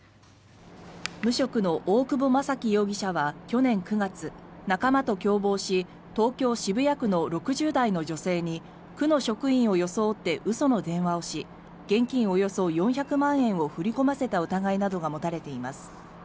無職の大久保将貴容疑者は去年９月仲間と共謀し東京・渋谷区の６０代の女性に区の職員を装って嘘の電話をし現金およそ４００万円を振り込ませた疑いなどが持たれています。